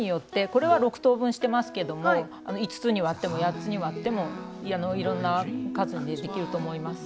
これは６等分してますけども５つに割っても８つに割ってもいろんな数にできると思います。